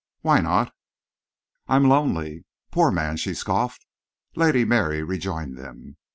"Why not?" "I'm lonely." "Poor man!" she scoffed. Lady Mary rejoined them.